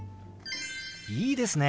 いいですね！